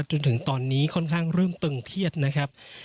จนถึงตอนนี้ค่อนข้างเริ่มตึงเครียดนะครับ